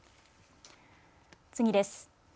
次です。